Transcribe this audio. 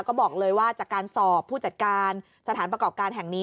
ก็บอกเลยว่าจากการสอบผู้จัดการสถานประกอบการแห่งนี้